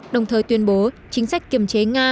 đồng thời tuyên bố chính sách kiềm chế nga